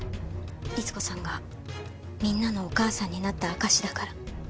律子さんがみんなのお母さんになった証しだから。